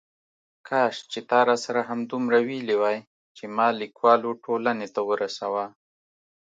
کاش چې تا راسره همدومره ویلي وای چې ما لیکوالو ټولنې ته ورسوه.